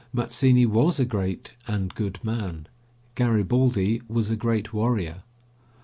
Mazzini was a great and good man; Garibaldi was a great warrior.